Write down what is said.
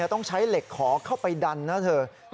ต้องใช้เหล็กขอเข้าไปดันนะเธอ